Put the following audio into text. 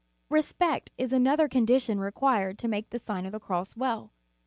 Respect is another condition required to make the Sign of the Cross well.